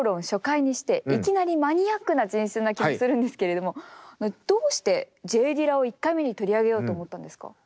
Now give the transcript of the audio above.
初回にしていきなりマニアックな人選な気もするんですけれどもどうしてＪ・ディラを１回目に取り上げようと思ったんですか？